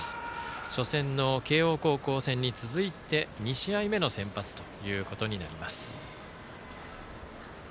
初戦の慶応戦に続いて、２試合目の先発ということになります。